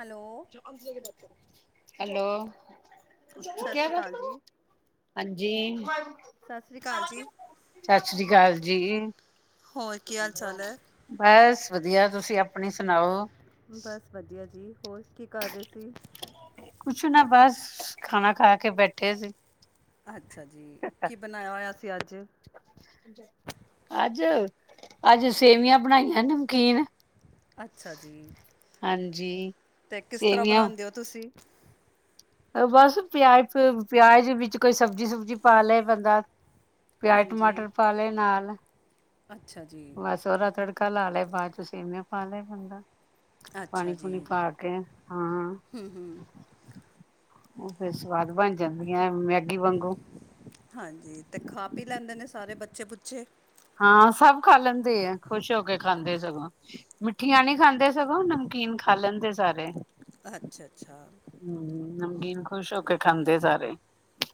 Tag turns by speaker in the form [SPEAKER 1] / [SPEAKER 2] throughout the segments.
[SPEAKER 1] Hello.
[SPEAKER 2] Hello
[SPEAKER 1] ਸਤਿ
[SPEAKER 2] ਕਿਆ
[SPEAKER 1] ਸ਼੍ਰੀ
[SPEAKER 2] ਕਰ
[SPEAKER 1] ਅਕਾਲ ਜੀ।
[SPEAKER 2] ਹਾਂਜੀ।
[SPEAKER 1] ਸਤਿ ਸ਼੍ਰੀ ਅਕਾਲ ਜੀ।
[SPEAKER 2] ਸਤਿ ਸ੍ਰੀ ਅਕਾਲ ਜੀ।
[SPEAKER 1] ਹੋਰ ਕੀ ਹਾਲ ਚਾਲ ਹੈ?
[SPEAKER 2] ਬਸ ਵਧੀਆ ਤੁਸੀਂ ਆਪਣੀ ਸੁਣਾਓ?
[SPEAKER 1] ਬਸ ਵਧੀਆ ਜੀ, ਹੋਰ ਕੀ ਕਰ ਰਹੇ ਸੀ?
[SPEAKER 2] ਕੁਛ ਨਾ ਬਸ ਖਾਣਾ ਖਾ ਕੇ ਬੈਠੇ ਸੀ।
[SPEAKER 1] ਅੱਛਾ ਜੀ, ਕੀ ਬਣਾਇਆ ਹੋਇਆ ਸੀ ਅੱਜ।
[SPEAKER 2] ਅੱਜ ਅੱਜ ਸੇਵੀਆਂ ਬਣਾਈਆਂ ਨਮਕੀਨ।
[SPEAKER 1] ਅੱਛਾ ਜੀ,
[SPEAKER 2] ਹਾਂਜੀ
[SPEAKER 1] ਤੇ ਕਿਸ ਤਰ੍ਹਾਂ
[SPEAKER 2] ਸੇਵੀਆਂ
[SPEAKER 1] ਬਣਾਉਂਦੇ ਹੋ ਤੁਸੀਂ?
[SPEAKER 2] ਬਸ ਪਿਆਜ ਪਿਉਜ ਪਿਆਜ ਵਿੱਚ ਕੋਈ ਸਬਜ਼ੀ ਸੁਬਜੀੀ ਪਾ ਲੈ ਬੰਦਾ। ਪਿਆਜ
[SPEAKER 1] ਹਾਂਜੀ
[SPEAKER 2] ਟਮਾਟਰ ਪਾ ਲੇ ਨਾਲ।
[SPEAKER 1] ਅੱਛਾ ਜੀ।
[SPEAKER 2] ਬਸ ਉਹਦਾ ਤੜਕਾ ਲਾ ਲੈ, ਬਾਅਦ ਵਿਚ ਸੇਵੀਆਂ ਪਾ ਲੈ ਬੰਦਾ।
[SPEAKER 1] ਅੱਛਾ
[SPEAKER 2] ਪਾਣੀ
[SPEAKER 1] ਜੀ
[SPEAKER 2] ਪੂਣੀ ਪਾ ਕੇ ਹਾਂ। ਉਹ ਫਿਰ ਸਵਾਦ ਬਣ ਜਾਂਦੀਆਂ ਮੈਗੀ ਵਾਂਗੂ।
[SPEAKER 1] ਹਾਂਜੀ ਤੇ ਖਾ ਪੀ ਲੈਂਦੇ ਨੇ ਸਾਰੇ ਬੱਚੇ ਬੁੱਚੇ।
[SPEAKER 2] ਹਾਂ ਸਭ ਖਾ ਲੈਂਦੇ ਆ ਖੁਸ਼ ਹੋ ਕੇ ਖਾਂਦੇ ਸਗੋਂ। ਮਿੱਠੀਆਂ ਨਹੀਂੀ ਖਾਂਦੇ ਸਗੋਂ, ਨਮਕੀਨ ਖਾ ਲੈਂਦੇ ਸਾਰੇ।
[SPEAKER 1] ਅੱਛਾ ਅੱਛਾ।
[SPEAKER 2] ਹੂੰ ਨਮਕੀਨ ਖੁਸ਼ ਹੋ ਕੇ ਖਾਂਦੇ ਸਾਰੇ।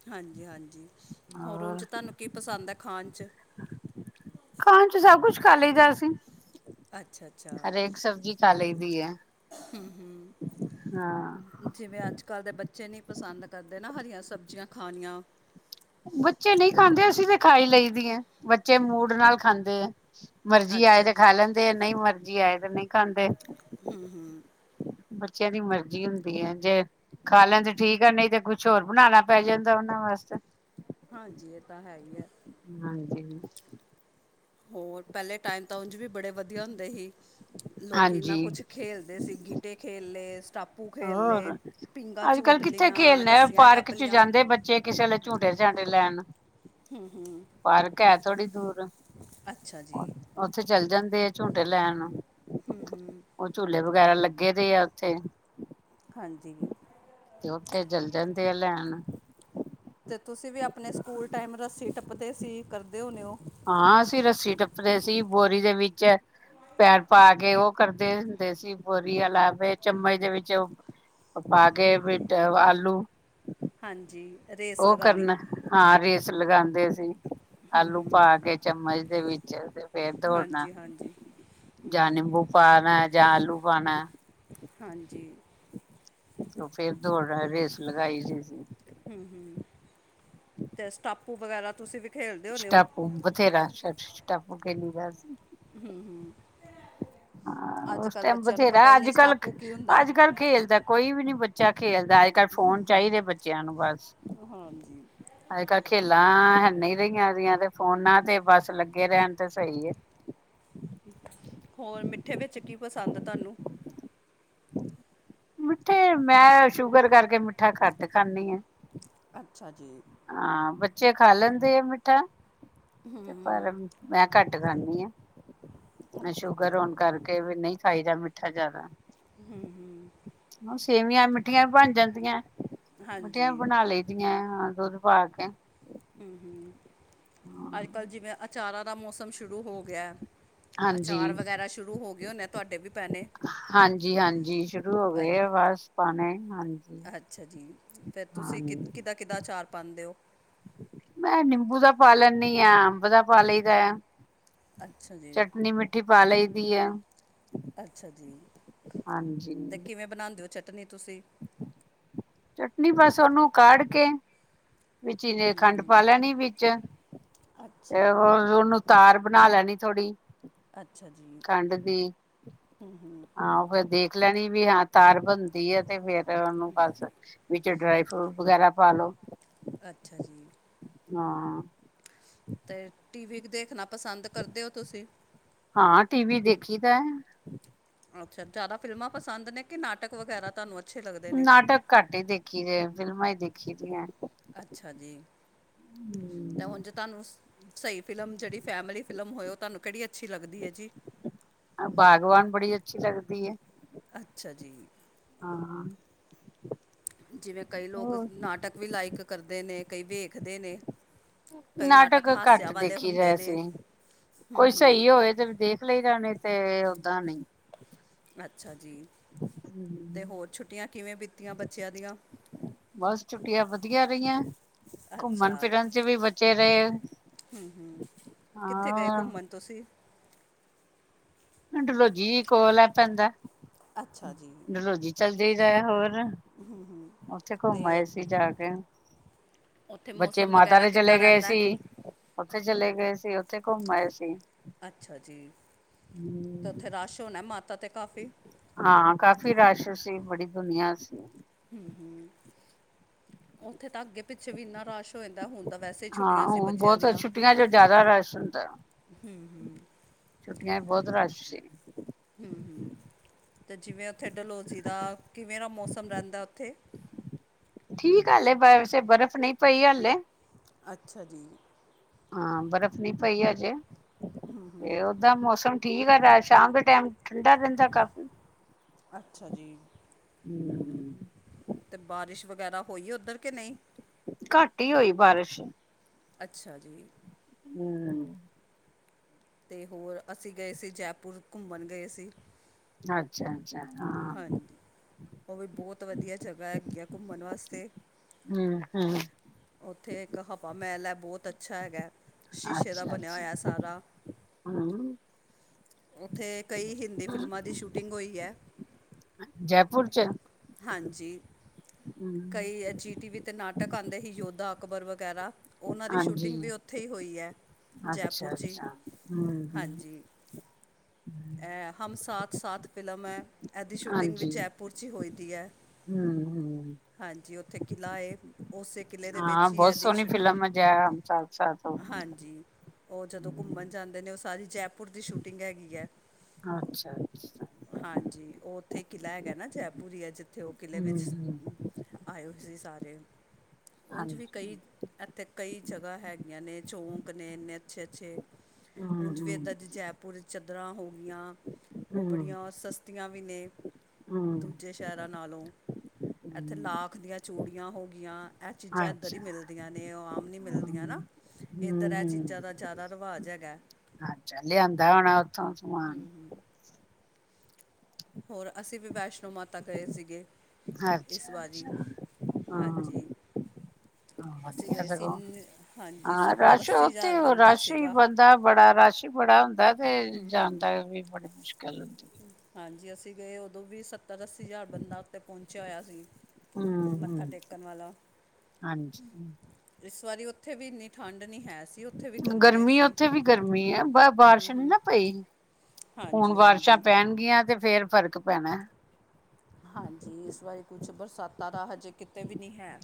[SPEAKER 1] ਹਾਂਜੀ ਹਾਂਜੀ ਹੋਰ ਉਂਜ ਤਾਨੂੰ ਕੀ ਪਸੰਦ ਹੈ ਖਾਣ ਚ।
[SPEAKER 2] ਖਾਣ ਚ ਸਭ ਕੁਛ ਖਾ ਲਈਦਾ ਅਸੀਂ।
[SPEAKER 1] ਅੱਛਾ
[SPEAKER 2] ਹਰੇਕ ਸਬਜ਼ੀ ਖਾ ਲਈਦੀ ਏ।
[SPEAKER 1] ਹੂੰ ਹੂੰ।
[SPEAKER 2] ਹਾਂ।
[SPEAKER 1] ਜਿਵੇਂ ਅੱਜ ਕੱਲ੍ਹ ਦੇ ਬੱਚੇ ਨਹੀਂ ਪਸੰਦ ਕਰਦੇ ਨਾ ਹਰੀਆਂ ਸਬਜ਼ੀਆਂ ਖਾਣੀਆਂ।
[SPEAKER 2] ਬੱਚੇ ਨਹੀਂ ਖਾਂਦੇ ਅਸੀਂ ਤੇ ਖਾਈ ਲਈ ਦੀ ਏ, ਬੱਚੇ ਮੂਡ ਨਾਲ ਖਾਂਦੇ ਹੈ। ਮਰਜੀੀ ਆਏ
[SPEAKER 1] ਅੱਛਾ
[SPEAKER 2] ਤੇ ਖਾ
[SPEAKER 1] ਅੱਛਾ
[SPEAKER 2] ਲੈਂਦੇ ਆ, ਨਹੀਂ ਮਰਜੀੀ ਆਏ ਤੇ ਨਹੀਂ ਖਾਂਦੇ।
[SPEAKER 1] ਹੂੰ ਹੂੰ।
[SPEAKER 2] ਬੱਚਿਆਂ ਦੀ ਮਰਜ਼ੀ ਹੁੰਦੀ ਹੈ ਜੇ ਖਾ ਲੈਣਦੇ ਠੀਕ ਆ, ਨਹੀਂ ਤੇ ਕੁਛ ਹੋਰ ਬਣਾਣਾ ਪੈ ਜਾਂਦਾ ਉਹਨਾਂ ਵਾਸਤੇ।
[SPEAKER 1] ਹਾਂਜੀ ਇਹ ਤਾਂ ਹੈ ਹੀ ਹੈ।
[SPEAKER 2] ਹਾਂਜੀ।
[SPEAKER 1] ਹੋਰ ਪਹਿਲੇ ਟਾਈਮ ਤਾਂ ਉਂਝ ਵੀ ਬੜੇ ਵਧੀਆ ਹੁੰਦੇ ਸੀ, ਲੋਕੀ ਇਨਾ
[SPEAKER 2] ਹਾਂਜੀ
[SPEAKER 1] ਕੁਛ ਖੇਲਦੇ ਸੀ ਗਿੱਟੇ ਖੇਲਏ ਸਟੱਪ
[SPEAKER 2] ਹੋਰ ਅੱਜ ਕੱਲ੍ਹ ਕਿੱਥੇ
[SPEAKER 1] ਲੀਆਂ
[SPEAKER 2] ਖੇਲਣਾ
[SPEAKER 1] ਰੱਸੀਆਂ
[SPEAKER 2] ਪਾਰਕ
[SPEAKER 1] ਟੱਪ
[SPEAKER 2] ਚ
[SPEAKER 1] ਲੀਆਂ
[SPEAKER 2] ਜਾਂਦੇ ਬਚ ਜੇ ਕਿਸੇ ਨੇ ਝੂਡੇ ਝਾਂਡੇ ਲੈਣ ਪਾਰਕ ਹੈ ਥੋੜ੍ਹੀ ਦੂਰ
[SPEAKER 1] ਅੱਛਾ ਜੀ
[SPEAKER 2] ਉੱਥੇ ਚੱਲ ਜਾਂਦੇ ਆ ਝੂਟੇ ਲੈਣ। ਉਹ ਝੂਲੇ ਵਗੈਰਾ ਲੱਗੇ ਦੇ ਆ ਉੱਥੇ।
[SPEAKER 1] ਹਾਂਜੀ।
[SPEAKER 2] ਤੇ ਓਥੇ ਚਲ ਜਾਂਦੇ ਆ ਲੈਣ।
[SPEAKER 1] ਤੇ ਤੁਸੀਂ ਵੀ ਆਪਣੇ ਸਕੂਲ ਟਾਈਮ ਰੱਸੀ ਟੱਪਦੇ ਸੀ ਕਰਦੇ ਹੁੰਦੇ ਓ।
[SPEAKER 2] ਹਾਂ ਅਸੀਂ ਰੱਸੀ ਟੱਪਦੇ ਸੀ ਬੋਰੀ ਦੇ ਵਿੱਚ ਪੈਰ ਪਾ ਕੇ ਓ ਕਰਦੇ ਹੁੰਦੇ ਸੀ ਬੋਰੀ ਆਲਾ ਫੇਰ ਚਮਚ ਦੇ ਵਿੱਚ ਓ ਪਾ ਕੇ ਬੀਟ ਆਲੂ
[SPEAKER 1] ਹਾਂਜੀ। ਰੇਸ
[SPEAKER 2] ਓਹ
[SPEAKER 1] ਲਗਾਣੀ
[SPEAKER 2] ਕਰਨਾ, ਹਾਂ ਰੇਸ ਲਗਾਂਦੇ ਸੀ। ਆਲੂ ਪਾ ਕੇ ਚਮਚ ਦੇ ਵਿੱਚ ਤੇ ਫੇਰ ਦੋੜਨਾ।
[SPEAKER 1] ਹਾਂਜੀ ਹਾਂਜੀ ਹ
[SPEAKER 2] ਜਾਂ ਨਿੰਬੂ ਪਾਣਾ ਜਾਂ ਆਲੂ ਪਾਣਾ।
[SPEAKER 1] ਹਾਂਜੀ।
[SPEAKER 2] ਓ ਫੇਰ ਦੌੜ ਹ ਰੇਸ ਲਗਾਈ ਦੀ ਸੀ।
[SPEAKER 1] ਹੂੰ-ਹੂੰ ਤੇ ਸਟਾਪੂ ਵਗੈਰਾ ਤੁਸੀਂ ਵੀ ਖੇਲਦੇ ਹੋਨੇ ਹੋ
[SPEAKER 2] ਸਟੈਪੂ ਬਥੇਰਾ ਸ਼ ਸ਼ਟੈਪੂ ਖੇਲੀ ਦਾ ਸੀ।
[SPEAKER 1] ਹੂੰ-ਹੂੰ।
[SPEAKER 2] ਹ ਓ ਟੈਮ ਬਥੇਰਾ
[SPEAKER 1] ਨਹੀਂ
[SPEAKER 2] ਅੱਜ-ਕੱਲ
[SPEAKER 1] ਸਟਾਪੂ ਕੀ ਹੁੰਦਾ
[SPEAKER 2] ਅੱਜ-ਕੱਲ ਖੇਲਦਾ ਕੋਈ ਵੀ ਨੀ ਬੱਚਾ ਖੇਲਦਾ ਅੱਜ-ਕੱਲ ਫੋਨ ਚਾਇਦੇ ਬੱਚਿਆਂ ਨੂੰ ਬਸ
[SPEAKER 1] ਹੈ ਹਾਂਜੀ।
[SPEAKER 2] ਅੱਜ ਕੱਲ੍ਹ ਖੇਲਾਂ ਹੈ ਨੀ ਰਈਆ ਰਿਆਂ ਤੇ ਫੋਨਾਂ ਤੇ ਬਸ ਲੱਗੇ ਰੇਂਨ ਤੇ ਸਈ ਏ।
[SPEAKER 1] ਹੋਰ ਮਿੱਠੇ ਵਿੱਚ ਕੀ ਪਸੰਦ ਤਾਨੂੰ?
[SPEAKER 2] ਮਿੱਠੇ ਮੈਂ ਸ਼ੂਗਰ ਕਰਕੇ ਮਿੱਠਾ ਕੱਟ ਖਾਂਨੀ ਆਂ।
[SPEAKER 1] ਅੱਛਾ ਜੀ।
[SPEAKER 2] ਹਾਂ ਬੱਚੇ ਖਾ ਲੈਂਦੇ ਆ ਮਿੱਠਾ, ਤੇ ਪਰ ਮੈਂ ਕੱਟ ਖਾਂਨੀ ਆਂ।
[SPEAKER 1] ਅੱਛਾ ਅੱਛਾ
[SPEAKER 2] ਸ਼ੂਗਰ ਹੋਣ ਕਰਕੇ ਵੀ ਨਈ ਖਾਈਦਾ ਮਿੱਠਾ ਜਾਦਾ।
[SPEAKER 1] ਹੂੰ-ਹੂੰ।
[SPEAKER 2] ਸੇਵੀਆਂ ਮਿੱਠੀਆਂ ਵੀ ਬਣ ਜਾਂਦੀਆਂ ਐ, ਮਿੱਠੀਆਂ ਵੀ
[SPEAKER 1] ਹਾਂਜੀ
[SPEAKER 2] ਬਣਾ ਲਈਦੀਆਂ ਹਾਂ। ਦੋਧ ਨਾ ਕੇ।
[SPEAKER 1] ਹੂੰ-ਹੂੰ, ਅੱਜ-ਕੱਲ ਜਿਵੇਂ ਅਚਾਰਾਂ ਦਾ ਮੌਸਮ ਸ਼ੁਰੂ ਹੋ ਗਿਆ।
[SPEAKER 2] ਹਾਂਜੀ
[SPEAKER 1] ਅਚਾਰ ਵਗੈਰਾ ਸ਼ੁਰੂ ਹੋ ਗਏ ਹੋਨੇ ਆ ਤੁਆਡੇ ਵੀ ਪੈਣੇ?
[SPEAKER 2] ਹਾਂਜੀ-ਹਾਂਜੀ ਸ਼ੁਰੂ ਹੋ ਗਏ ਆ
[SPEAKER 1] ਅੱ-
[SPEAKER 2] ਬਸ ਪਾਣੇ ਹਾਂਜੀ।
[SPEAKER 1] ਅੱਛਾ ਜੀ ਫੇਰ
[SPEAKER 2] ਹਾਂ
[SPEAKER 1] ਤੁਸੀਂ ਕਿੱ ਕਿੱਦਾਂ-ਕਿੱਦਾਂ ਅਚਾਰ ਪਾਂਦੇ ਓ?
[SPEAKER 2] ਮੈਂ ਨਿੰਬੂ ਦਾ ਪਾ ਲੈਨੀ ਆ, ਅੰਬ ਦਾ ਪਾ ਲਈ ਦਾ ਆ
[SPEAKER 1] ਅੱਛਾ ਜੀ
[SPEAKER 2] ਚਟਨੀ ਮਿੱ ਠੀ ਪਾ ਲਈ ਦੀ ਐ।
[SPEAKER 1] ਅੱਛਾ ਜੀ,
[SPEAKER 2] ਹਾਂਜੀ
[SPEAKER 1] ਤੇ ਕਿਵੇਂ ਬਣਾਦੇ ਓ ਚਟਨੀ ਤੁਸੀਂ?
[SPEAKER 2] ਚਟਨੀ ਬਸ ਓਨੂੰ ਕੜ ਕੇ ਵਿੱਚ ਇਜੇ ਈ ਖੰਡ ਪਾ ਲੈਣੀ ਵਿੱਚ,
[SPEAKER 1] ਅੱਛਾ
[SPEAKER 2] ਤੇ ਓਨੂੰ ਤਾਰ ਬਣਾ ਲੈਣੀ ਥੋੜ੍ਹੀ
[SPEAKER 1] ਅੱਛਾ ਜੀ।
[SPEAKER 2] ਖੰਡ ਦੀ, ਹਾਂ ਓਹ ਫੇਰ ਦੇਖ ਦੇਖ ਲੈਣੀ ਵੀ ਹਾਂ ਤਾਰ ਬਣਦੀ ਐ ਤੇ ਫੇਰ ਓਨੂੰ ਬਸ ਵਿੱਚ ਡਰਾਈ ਫਰੂਟ ਵਗੈਰਾ ਪਾ ਲੋ।
[SPEAKER 1] ਅੱਛਾ ਜੀ।
[SPEAKER 2] ਹਾਂ।
[SPEAKER 1] ਤੇ ਟੀਵੀ ਦੇਖਣਾ ਪਸੰਦ ਕਰਦੇ ਓ ਤੁਸੀਂ?
[SPEAKER 2] ਹਾਂ ਟੀ ਵੀ ਦੇਖੀ ਦੈ।
[SPEAKER 1] ਅੱਛਾ ਜ਼ਾਅਦਾ ਫਿਲਮਾਂ ਪਸੰਦ ਨੇ ਕਿ ਨਾਟਕ ਵਗੈਰਾ ਤੁਆਨੂੰ।
[SPEAKER 2] ਨਾਟਕ ਘੱਟ ਈ ਦੇਖੀ ਦੇ ਫਿਲਮਾਂ ਈ ਦੇਖੀ ਦੀਆਂ।
[SPEAKER 1] ਅੱਛਾ ਜੀ ਤੇ ਹੁਨ ਜੇ ਤੁਆਨੂੰ ਸਈ ਫਿਲਮ ਜੇੜੀ ਫੈਮਿਲੀ ਫਿਲਮ ਹੋਏ ਓ ਤੁਆਨੂੰ ਕੇੜੀ ਅੱਛੀ ਲੱਗਦੀ ਐ ਜੀ?
[SPEAKER 2] ਭਾਗਵਾਨ ਬੜੀ ਅੱਛੀ ਲੱਗਦੀ ਐ।
[SPEAKER 1] ਅੱਛਾ ਜੀ।
[SPEAKER 2] ਹਾਂ।
[SPEAKER 1] ਜਿਵੇਂ ਕਈ ਲੋਕ
[SPEAKER 2] ਹੋਰ
[SPEAKER 1] ਨਾਟਕ ਵੀ ਲਾਈਕ ਕਰਦੇ ਨੇ ਕਈ ਵੇਖਦੇ ਨੇ। ਕਈ
[SPEAKER 2] ਨਾਟਕ
[SPEAKER 1] ਹਾਸਿਆ
[SPEAKER 2] ਘੱਟ
[SPEAKER 1] ਵਾਲੇ
[SPEAKER 2] ਦੇਖੀ ਦਾ
[SPEAKER 1] ਹੁੰਦੇ ਨੇ
[SPEAKER 2] ਅਸੀ
[SPEAKER 1] ਹੂੰ
[SPEAKER 2] ਕੋਈ
[SPEAKER 1] ਹੂੰ
[SPEAKER 2] ਸਈ ਹੋਵੇ ਤੇ ਦੇਖ ਨਿਕਲੇ ਜਾਨੇ ਤੇ ਓਦਾਂ ਨਈਂ
[SPEAKER 1] ਅੱਛਾ ਜੀ ਅਤੇ
[SPEAKER 2] ਹਮ
[SPEAKER 1] ਹੋਰ ਛੁੱਟੀਆਂ ਕਿਵੇਂ ਬੀਤੀਆਂ ਬੱਚੇਆਂ ਦੀਆਂ?
[SPEAKER 2] ਬਸ ਛੁੱਟੀਆਂ ਵਦੀਆ ਰਈਆਂ। ਘੁੰਮਨ
[SPEAKER 1] ਅੱਛਾ
[SPEAKER 2] ਫਿਰਨ ਚ ਵੀ ਬਚੇ ਰਏ,
[SPEAKER 1] ਕਿੱਥੇ ਗਏ
[SPEAKER 2] ਅ
[SPEAKER 1] ਘੁੰਮਣ ਤੁਸੀਂ
[SPEAKER 2] ਡਲੋਜੀ ਕੋਲ ਐ ਪੈਂਦਾ
[SPEAKER 1] ਅੱਛਾ ਜੀ
[SPEAKER 2] ਡਲੋਜੀ ਚਲ ਜਾਈਦੈ ਹੋਰ। ਓਥੇ
[SPEAKER 1] ਤੇ
[SPEAKER 2] ਘੁੰਮ ਆਏ ਸੀ ਜਾ ਕੇ।
[SPEAKER 1] ਉੱਥੇ
[SPEAKER 2] ਬੱਚੇ
[SPEAKER 1] ਮੌਸਮ
[SPEAKER 2] ਮਾਤਾ
[SPEAKER 1] ਵਗੈਰਾ
[SPEAKER 2] ਦੇ
[SPEAKER 1] ਕਿੱਦਾਂ
[SPEAKER 2] ਚਲੇ ਗਏ
[SPEAKER 1] ਰਹਿੰਦਾ
[SPEAKER 2] ਸੀ
[SPEAKER 1] ਹੈ
[SPEAKER 2] ਓਥੇ ਚਲੇ ਗਏ ਸੀ ਓਥੇ ਘੁੰਮ ਆਏ ਸੀ।
[SPEAKER 1] ਅੱਛਾ ਜੀ।
[SPEAKER 2] ਹੂੰ।
[SPEAKER 1] ਤੇ ਓਥੇ ਰਸ਼ ਹੋਨੈ ਮਾਤਾ ਤੇ ਕਾਫੀ?
[SPEAKER 2] ਹਾਂ ਕਾਫ਼ੀ ਰਸ਼ ਸੀ ਬੜੀ ਦੁਨੀਆਂ ਸੀ।
[SPEAKER 1] ਹੂੰ-ਹੂੰ। ਓਥੇ ਤਾਂ ਅੱਗੇ ਪਿੱਛੇ ਵੀ ਇੰਨਾ ਰਸ਼ ਹੋ ਜਾਂਦਾ ਹੁਨ ਤਾਂ ਵੈਸੇ ਈ
[SPEAKER 2] ਹਾਂ
[SPEAKER 1] ਛੁੱਟੀਆਂ ਸੀ
[SPEAKER 2] ਹੁਣ
[SPEAKER 1] ਬੱਚੇਆਂ
[SPEAKER 2] ਬਹੁਤ
[SPEAKER 1] ਦੀਆਂ।
[SPEAKER 2] ਛੁੱਟੀਆਂ ਚ ਜ਼ਿਆਦਾ ਰਸ਼ ਹੁੰਦਾ
[SPEAKER 1] ਹੂੰ-ਹੂੰ।
[SPEAKER 2] ਛੁੱਟੀਆਂ ਵੀ ਬੋਤ ਰੱਸ਼ ਸੀ।
[SPEAKER 1] ਹੂੰ-ਹੂੰ ਤੇ ਜਿਵੇਂ ਓਥੇ ਡਲੌਜ਼ੀ ਦਾ ਕਿਵੇਂ ਦਾ ਮੌਸਮ ਰੈਂਦਾ ਓਥੇ?
[SPEAKER 2] ਠੀਕ ਆ ਹਾਲੇ ਵੈਸੇ ਬਰਫ ਨਈਂ ਪਈ ਹਾਲੇ।
[SPEAKER 1] ਅੱਛਾ ਜੀ।
[SPEAKER 2] ਹਾਂ ਬਰਫ ਨੀ ਪਈ ਅਜੇ। ਤੇ ਓਦਾ ਮੌਸਮ ਠੀਕ ਆ ਰਾਜ ਸ਼ਾਮ ਦੇ ਟੈਮ ਠੰਡਾ ਰੈਂਦਾ ਕਾਫੀ।
[SPEAKER 1] ਅੱਛਾ ਜੀ।
[SPEAKER 2] ਹੂੰ।
[SPEAKER 1] ਤੇ ਬਾਰਿਸ਼ ਵਗੈਰਾ ਹੋਈ ਓਦਰ ਕਿ ਨਈਂ?
[SPEAKER 2] ਘੱਟ ਈ ਹੋਈ ਬਾਰਿਸ਼।
[SPEAKER 1] ਅੱਛਾ ਜੀ।
[SPEAKER 2] ਹੂੰ।
[SPEAKER 1] ਤੇ ਹੋਰ ਅਸੀਂ ਗਏ ਸੀ ਜੈਪੁਰ ਘੁੰਮਨ ਗਏ ਸੀ।
[SPEAKER 2] ਅੱਛਾ-ਅੱਛਾ
[SPEAKER 1] ਹਾਂਜੀ, ਓ ਵੀ ਬੋਹਤ ਵਦੀਆ ਜਗਾ ਹੈਗੀ ਆ ਘੁੰਮਨ ਵਾਸਤੇ।
[SPEAKER 2] ਹੂੰ-ਹੂੰ।
[SPEAKER 1] ਓਥੇ ਇੱਕ ਹਵਾ ਮਹਿਲ ਐ ਬੋਤ ਅੱਛਾ ਹੈਗਾ ਐ। ਸ਼ੀਸ਼ੇ ਦਾ
[SPEAKER 2] ਅੱਛਾ
[SPEAKER 1] ਬਨੇਆ
[SPEAKER 2] ਅੱਛਾ
[SPEAKER 1] ਹੋਏਆ ਸਾਰਾ।
[SPEAKER 2] ਹਮ
[SPEAKER 1] ਓਥੇ ਕਈ ਹਿੰਦੀ ਫਿਲਮਾਂ ਦੀ ਸ਼ੂਟਿੰਗ ਹੋਈ ਐ।
[SPEAKER 2] ਜੈਪੁਰ ਚ
[SPEAKER 1] ਹਾਂਜੀ,
[SPEAKER 2] ਹਮ
[SPEAKER 1] ਕਈ ਅ ਜੀ ਟੀ ਵੀ ਤੇ ਨਾਟਕ ਆਂਦ ਦੇ ਹੀ ਯੋਧਾ- ਅਕਬਰ ਵਗੈਰਾ ਉਹਨਾਂ ਦੀ
[SPEAKER 2] ਹਾਂਜੀ
[SPEAKER 1] ਸ਼ੂਟਿੰਗ ਵੀ ਉੱਥੇ ਇ ਹੋਈ ਐ, ਜੈਪੁਰ ਚ ਹੀ,
[SPEAKER 2] ਅੱਛਾ-ਅੱਛਾ, ਹੂੰ-ਹੂੰ,
[SPEAKER 1] ਹਾਂਜੀ। ਇਹ ਹਮ ਸਾਥ-ਸਾਥ ਫਿਲਮ ਐ ਇਹਦੀ ਸ਼ੂਟਿੰਗ ਵੀ
[SPEAKER 2] ਹਾਂਜੀ।
[SPEAKER 1] ਜੈਪੁਰ 'ਚ ਹੀ ਹੋਈ ਦੀ ਐ।
[SPEAKER 2] ਹੂੰ-ਹੂੰ,
[SPEAKER 1] ਹਾਂਜੀ, ਉੱਥੇ ਕਿਲ੍ਹਾ ਏ। ਉਸੇ ਕਿਲੇ ਦੇ
[SPEAKER 2] ਹਾਂ
[SPEAKER 1] ਵਿੱਚ ਹੀ
[SPEAKER 2] ਬਹੁਤ
[SPEAKER 1] ਏਦੀ,
[SPEAKER 2] ਸੋਹਣੀ
[SPEAKER 1] ਛੁਟ,
[SPEAKER 2] ਫਿਲਮ ਹੈ ਜੈ ਹਮ ਸਾਥ-ਸਾਥ ਹੋ।
[SPEAKER 1] ਹਾਂਜੀ। ਉਹ ਜਦੋਂ ਕੁਮਣ ਜਾਂਦੇ ਨੇ, ਉਹ ਸਾਰੀ ਜੈਪੁਰ ਦੀ ਸ਼ੂਟਿੰਗ ਹੈਗੀ ਐ।
[SPEAKER 2] ਅੱਛਾ।
[SPEAKER 1] ਹਾਂਜੀ, ਓਹ ਉੱਥੇ ਕਿਲ੍ਹਾ ਹੈਗਾ ਨਾ ਜੈਪੁਰ ਇ ਹੈ, ਜਿੱਥੇ ਉਹ ਕਿਲ੍ਹੇ ਵਿੱਚ
[SPEAKER 2] ਹੂੰ-ਹੂੰ,
[SPEAKER 1] ਆਏਯੋ ਤੁਸੀ ਸਾਰੇ, ਓਝ ਵੀ
[SPEAKER 2] ਹਾਂਜੀ।
[SPEAKER 1] ਕਈ ਅਥੇ ਕਈ ਜਗ੍ਹਾ ਹੈਗੀਆਂ ਨੇ ਚੌਂਕ ਨੇ, ਇੰਨੇ ਅੱਛੇ-ਅੱਛੇ। ਉਂਝ ਵੀ ਇਦਾਂ ਦੀ ਜੈਪੁਰ ਚਦਰਾਂ ਹੋ ਗਈਆਂ ਓਹ
[SPEAKER 2] ਹੂੰ-ਹੂੰ-ਹੂੰ-ਹੂੰ-ਹੂੰ,
[SPEAKER 1] ਬੜੀਆਂ ਸਸਤੀਆਂ ਵੀ ਨੇ ਦੂਜੇ ਸ਼ਹਿਰਾਂ ਨਾਲੋਂ। ਇੱਥੇ ਲਾਖ ਦੀਆਂ ਚੂੜੀਆਂ ਹੋ ਗਈਆਂ, ਇਹ ਚੀਜ਼ਾਂ ਇੱਧਰ ਹੀ
[SPEAKER 2] ਅੱਛਾ।
[SPEAKER 1] ਮਿਲਦੀਆਂ ਮਿਲਦੀਆ ਨੇ ਉਹ ਆਮ ਨੀ ਮਿਲਦੀਆਂ ਨਾ। ਇੱਧਰ ਇਹ ਚੀਜ਼ਾਂ
[SPEAKER 2] ਹੂੰ-ਹੂੰ,
[SPEAKER 1] ਦਾ ਜ਼ਿਆਦਾ ਰਿਵਾਜ਼ ਹੈਗਾ।
[SPEAKER 2] ਅੱਛਾ, ਲਿਆਂਦਾ ਹੋਣਾ ਓਥੋਂ ਸਮਾਨ।
[SPEAKER 1] ਹੋਰ, ਅਸੀਂ ਵੀ ਵੈਸ਼ਨੋ ਮਾਤਾ ਗਏ ਸੀਗੇ। ਇਸ, ਵਾਰੀ
[SPEAKER 2] ਅੱਛਾ-ਅੱਛਾ, ਹਾਂ
[SPEAKER 1] ਹਾਂਜੀ। ਅਸੀਂ
[SPEAKER 2] ਵਧੀਆ
[SPEAKER 1] ਗਏ ਸੀ,
[SPEAKER 2] ਸਗੋਂ।
[SPEAKER 1] ਹਾਂਜੀ। ਸੱਤਰ- ਅੱਸੀ ਹਜ਼ਾਰ ਬੰਦਾ ਸੀਗਾ।
[SPEAKER 2] ਦਾ ਬੜਾ ਰਸ਼ ਈ ਬੜਾ ਹੁੰਦਾ ਤੇ ਜਾਨ ਦਾ ਵੀ ਬੜੀ ਮੁਸ਼ਕਿਲ ਹੁੰਦੀ।
[SPEAKER 1] ਹਾਂਜੀ, ਅਸੀਂ ਗਏ ਉਦੋਂ ਵੀ ਸੱਤਰ- ਅੱਸੀ ਹਜ਼ਾਰ ਬੰਦਾ ਉੱਤੇ ਪਹੁੰਚਿਆ ਹੋਇਆ ਸੀ। ਮੱਥਾ
[SPEAKER 2] ਹਮ-ਹਮ
[SPEAKER 1] ਟੇਕਨ ਵਾਲਾ।
[SPEAKER 2] ਹਾਂਜੀ
[SPEAKER 1] ਇਸ ਵਾਰੀ ਓਥੇ ਵੀ ਇੰਨੀ ਠੰਡ ਨੀ ਹੈ ਸੀ। ਉੱਥੇ ਵੀ ਹੋਈ
[SPEAKER 2] ਗਰਮੀ
[SPEAKER 1] ਸੀ
[SPEAKER 2] ਉੱਥੇ ਵੀ ਗਰਮੀ ਏ, ਬ ਬਾਰਿਸ਼ ਨਈ ਨਾ ਪਈ। ਹੁਣ
[SPEAKER 1] ਹਾਂਜੀ
[SPEAKER 2] ਬਾਰਿਸ਼ਾਂ
[SPEAKER 1] ਹਾਂਜੀ
[SPEAKER 2] ਪੈਣਗੀਆਂ ਤੇ ਫੇਰ ਫ਼ਰਕ ਪੈਣਾ।
[SPEAKER 1] ਹਾਂਜੀ, ਇਸ ਬਾਰੇ ਕੁਛ ਬਰਸਾਤਾਂ ਦਾ ਹਜੇ ਕਿਤੇ ਵੀ ਨੀ ਹੈ।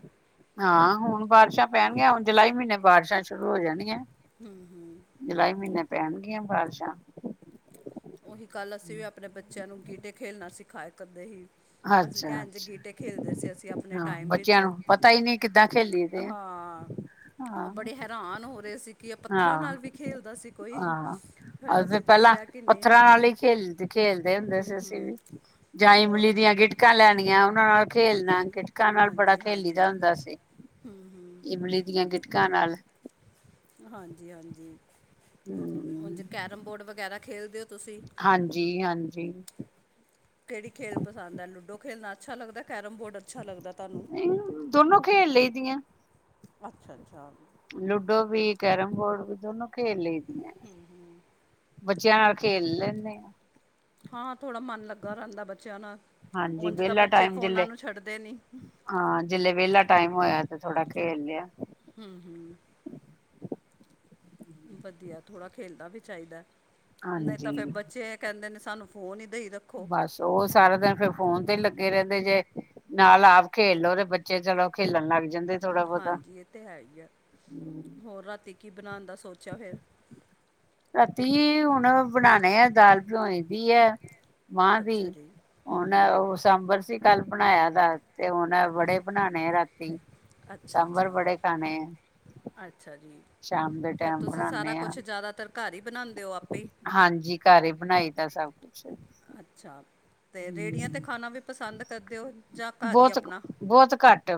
[SPEAKER 2] ਹਾਂ, ਹੁਣ ਬਾਰਿਸ਼ਾਂ ਪੈਣਗੀਆਂ ਹੁਣ ਜੁਲਾਈ ਮਹੀਨੇ ਬਾਰਿਸ਼ਾਂ ਸ਼ੁਰੂ ਹੋ ਜਾਣੀਆਂ।
[SPEAKER 1] ਹੁੰ।
[SPEAKER 2] ਜੁਲਾਈ ਮਹੀਨੇ ਪੈਣਗੀਆਂ ਬਾਰਸ਼ਾ।
[SPEAKER 1] ਓਹੀ ਕੱਲ੍ਹ, ਅਸੀਂ ਵੀ ਆਪਣੇ ਬੱਚਿਆਂ ਨੂੰ ਗੀਟੇ ਖੇਲਣਾ ਸਿਖਾਏ ਕਰਦੇ ਹੀ। ਅਸੀਂ
[SPEAKER 2] ਅੱਛਾ-ਅੱਛਾ
[SPEAKER 1] ਕੇਯਾ ਇੰਝ ਗੀਟੇ ਖੇਲਦੇ ਸੀ ਅਸੀਂ ਆਪਣੇ
[SPEAKER 2] ਹਾਂ
[SPEAKER 1] ਟਾਈਮ ਵਿੱਚ।
[SPEAKER 2] ਬੱਚਿਆਂ ਨੂੰ ਪਤਾ ਹੀ
[SPEAKER 1] ਹਾਂ। ਉਹ
[SPEAKER 2] ਹਾਂ,
[SPEAKER 1] ਬੜੇ ਹੈਰਾਨ ਹੋ ਰਹੇ ਸੀ ਕੀ ਪੱਥਰਾਂ ਨਾਲ ਵੀ ਖੇਲਦਾ ਸੀ ਕੋਈ। ਫੇਰ
[SPEAKER 2] ਅ
[SPEAKER 1] ਅਸੀਂ
[SPEAKER 2] ਪਹਿਲਾਂ
[SPEAKER 1] ਦੱਸਿਆ ਕਿ ਨਹੀਂ
[SPEAKER 2] ਪੱਥਰਾਂ ਨਾਲ ਹੀ ਖੇਲ ਖੇਲਦੇ ਹੁੰਦੇ ਸੀ ਅਸੀਂ
[SPEAKER 1] ਹਮ,
[SPEAKER 2] ਵੀ, ਜਾਂ ਈਮਲੀ
[SPEAKER 1] ਹੋਰ
[SPEAKER 2] ਦੀਆਂ ਗਿਟਕਾਂ ਲੈਣੀਆਂ, ਉਹਨਾਂ ਨਾਲ ਖੇਲਣਾ। ਗਿਟਕਾਂ ਨਾਲ ਬੜਾ
[SPEAKER 1] ਹਾਂਜੀ
[SPEAKER 2] ਖੇਲੀ ਦਾ
[SPEAKER 1] ਹਾਂਜੀ
[SPEAKER 2] ਹੁੰਦਾ ਸੀ। ਇਮਲੀ ਦੀਆਂ ਗਿਟਕਾਂ ਨਾਲ।
[SPEAKER 1] ਹਾਂਜੀ-ਹਾਂਜੀ,
[SPEAKER 2] ਹੂੰ।
[SPEAKER 1] ਉਂਜ ਕੈਰਮ ਬੋਰਡ ਵਗੈਰਾ ਖੇਲਦੇ ਹੋ ਤੁਸੀਂ।
[SPEAKER 2] ਹਾਂਜੀ-ਹਾਂਜੀ।
[SPEAKER 1] ਕੇੜੀ ਖੇਲ ਪਸੰਦ ਹੈ? ਲੂਡੋ ਖੇਡਣਾ ਅੱਛਾ ਲੱਗਦਾ, ਕੈਰਮ ਬੋਰਡ ਅੱਛਾ ਲੱਗਦਾ ਤੁਹਾਨੂੰ।
[SPEAKER 2] ਦੋਨੋ ਖੇਲ ਲਈ ਦੀਆਂ।
[SPEAKER 1] ਅੱਛਾ-ਅੱਛਾ।
[SPEAKER 2] ਲੂਡੋ ਵੀ, ਕੈਰਮ ਬੋਰਡ ਵੀ ਦੋਨੋ ਖੇਲ ਲਈ ਦੀਆਂ।
[SPEAKER 1] ਹੁੰ-ਹੁੰ।
[SPEAKER 2] ਬੱਚਿਆਂ ਨਾਲ ਖੇਲ ਲੈਂਨੇਂ।
[SPEAKER 1] ਹਾਂ ਥੋੜਾ ਮਨ ਲੱਗਾ ਰਹਿੰਦਾ ਬੱਚਿਆਂ ਨਾਲ,
[SPEAKER 2] ਹਾਂਜੀ
[SPEAKER 1] ਉਝ ਤਾਂ
[SPEAKER 2] ਵਿਹਲਾ
[SPEAKER 1] ਬੱਚੇ
[SPEAKER 2] ਟਾਈਮ
[SPEAKER 1] ਫੋਨਾਂ
[SPEAKER 2] ਜਿਲੇ
[SPEAKER 1] ਨੂੰ ਛੱਡਦੇ ਨੀ।
[SPEAKER 2] ਹਾਂ, ਜ਼ਿਲ੍ਹੇ ਵਿਹਲਾ ਟਾਈਮ ਹੋਇਆ ਤੇ ਥੋੜਾ ਖੇਲ ਲਿਆ।
[SPEAKER 1] ਹੁੰ। ਵਧੀਆ, ਥੋੜ੍ਹਾ ਖੇਲਦਾ ਵੀ ਚਾਈਦਾ ਨਹੀਂ ਤਾਂ
[SPEAKER 2] ਹਾਂਜੀ
[SPEAKER 1] ਫੇਰ ਬੱਚੇ ਕਹਿੰਦੇ ਨੇ, ਸਾਨੂੰ ਫੋਨ ਹੀ ਦਈ ਰੱ
[SPEAKER 2] ਬਸ, ਉਹ ਸਾਰਾ ਦਿਨ ਫੇਰ ਫੋਨ ਤੇ ਲੱਗੇ ਰਹਿੰਦੇ ਜੇ, ਨਾਲ ਆਪ ਖੇਲ ਲੋ ਤੇ ਬ ਬੱਚੇ, ਚਲੋ ਖੇਲਣ ਲੱਗ ਜਾਂਦੇ ਥੋੜਾ ਬਹੁਤਾ
[SPEAKER 1] ਹਾਂਜੀ ਇਹ ਤਾਂ ਹੈ ਹੀ ਆ
[SPEAKER 2] ਹੰਮ।
[SPEAKER 1] ਹੋਰ ਰਾਤੀ ਕੀ ਬਣਾਉਣ ਦਾ ਸੋਚੇਆ ਫੇਰ?
[SPEAKER 2] ਰਾਤੀ ਹੁਣ ਬਣਾਉਣੇ ਆ ਦਾਲ ਭਿਉਈ ਦੀ ਹੈ। ਮਾਂ ਦੀ
[SPEAKER 1] ਅੱਛਾ ਜੀ ਹੂੰ
[SPEAKER 2] ਉਹਨਾਂ
[SPEAKER 1] ਹੂੰ
[SPEAKER 2] ਉਹ ਸਾਂਬਰ ਸੀ ਕੱਲ ਬਣਾਇਆ ਦਾ ਤੇ ਹੁਣ ਐ ਵੜੇ ਬਣਾਉਣੇ ਰਾਤੀ।
[SPEAKER 1] ਅੱਛਾ
[SPEAKER 2] ਸਾਂਬਰ
[SPEAKER 1] ਅੱਛਾ
[SPEAKER 2] ਬੜੇ ਖਾਣੇ ਹੈ।
[SPEAKER 1] ਅੱਛਾ ਜੀ, ਫਿਰ
[SPEAKER 2] ਟੈਮ
[SPEAKER 1] ਤੁਸੀਂ ਸਾਰਾ
[SPEAKER 2] ਬਣਾਣੇ ਆ
[SPEAKER 1] ਕੁਛ ਜ਼ਿਆਦਾਤਰ ਘਰ ਹੀ ਬਣਾਉਂਦੇ ਔ ਆਪੇ ਹੀ।
[SPEAKER 2] ਹਾਂਜੀ, ਘਰ ਹੀ ਬਣਾਈ ਦਾ ਸਭ ਕੁਛ।
[SPEAKER 1] ਅੱਛਾ, ਤੇ ਰੇਹੜੀਆਂ ਤੇ ਖਾਣਾ ਵੀ ਪਸੰਦ ਕਰਦੇਓ ਜਾਂ ਘਰ ਹੀ
[SPEAKER 2] ਬਹੁਤ
[SPEAKER 1] ਆਪਣਾ?
[SPEAKER 2] ਬਹੁਤ ਘੱਟ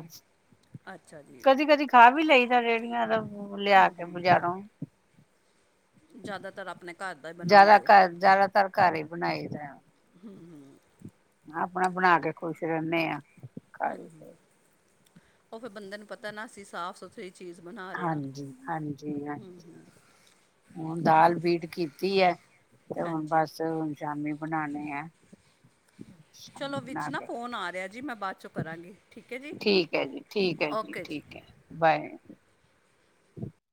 [SPEAKER 1] ਅੱਛਾ ਜੀ
[SPEAKER 2] ਕਦੀ- ਕਦੀ ਖਾ ਵੀ ਲਈ ਦਾ ਰੇਹੜੀਆਂ ਤੋਂ। ਹੰਮ ਲਿਆ ਕੇ ਬੁਜ਼ਾਰੋ।
[SPEAKER 1] ਜ਼ਿਆਦਾਤਰ ਆਪਣੇ ਘਰ ਦਾ ਹੀ
[SPEAKER 2] ਜਆਦਾ
[SPEAKER 1] ਬਣਾਉਂਦੇ ਹੋ
[SPEAKER 2] ਘਰ ਜਆਦਾਤਰ ਘਰ ਹੀ ਬਣਾਈ ਦਾ।
[SPEAKER 1] ਹੰਮ-ਹੰਮ
[SPEAKER 2] ਆਪਣਾ ਬਣਾ ਕੇ ਖੁਸ਼ ਰਹਿੰਨੇ ਹਾਂ।
[SPEAKER 1] ਹੰਮ-ਹੰਮ, ਉਹ ਫਿਰ ਬੰਦੇ ਨੂੰ ਪਤਾ ਨਾ ਸੀ ਸਾਫ਼ ਸੁਥ ਸਹੀ ਚੀਜ਼ ਬਣਾ ਰਿਹਾ ਹਾਂ
[SPEAKER 2] ਹਾਂਜੀ ਹਾਂਜੀ
[SPEAKER 1] ਹੰਮ-ਹੰਮ
[SPEAKER 2] ਹੁਣ ਦਾਲ ਬੀਟ ਕੀਤੀ ਹੈ, ਤੇ ਹੁਣ
[SPEAKER 1] ਹਾਂਜੀ
[SPEAKER 2] ਬਸ ਸ਼ਾਮੀ ਬਣਾਉਣੇ ਏ।
[SPEAKER 1] ਚਲੋ ਵਿੱਚ ਨਾ ਫ਼ੋਨ ਆ ਰਿਹਾ ਜੀ, ਮੈਂ ਬਾਅਦ 'ਚੋਂ ਕਰਾਂਗੀ। ਠੀਕ ਹੈ ਜੀ
[SPEAKER 2] ਠੀਕ ਹੈ ਜੀ, ਠੀਕ ਹੈ ਜੀ, ਠੀਕ ਹੈ ਬਾਏ।